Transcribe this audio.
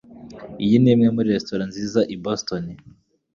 Iyi ni imwe muri resitora nziza i Boston.